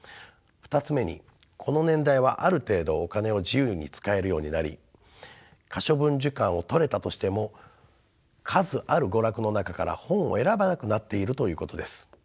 ２つ目にこの年代はある程度お金を自由に使えるようになり可処分時間を取れたとしても数ある娯楽の中から本を選ばなくなっているということです。